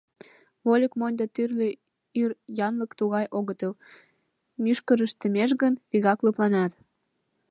Вольык монь да тӱрлӧ ир янлык тугай огытыл: мӱшкырышт темеш гын, вигак лыпланат.